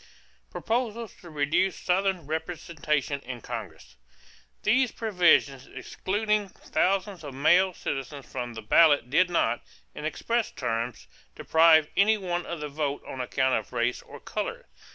=Proposals to Reduce Southern Representation in Congress.= These provisions excluding thousands of male citizens from the ballot did not, in express terms, deprive any one of the vote on account of race or color.